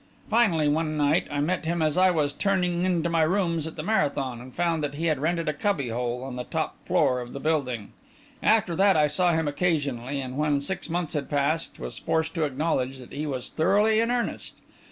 Finally, one night, I met him as I was turning in to my rooms at the Marathon, and found that he had rented a cubby hole on the top floor of the building. After that, I saw him occasionally, and when six months had passed, was forced to acknowledge that he was thoroughly in earnest.